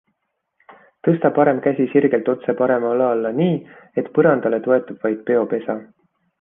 Tõsta parem käsi sirgelt otse parema õla alla nii, et põrandale toetub vaid peopesa.